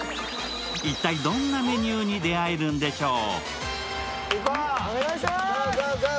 一体どんなメニューに出会えるんでしょう。